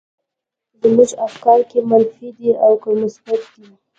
زموږ افکار که منفي دي او که مثبت دي.